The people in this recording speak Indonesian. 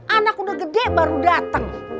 anak udah gede baru datang